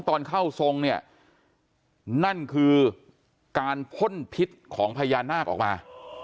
ตอนเข้าทรงเนี่ยนั่นคือการพ่นพิษของพญานาคออกมา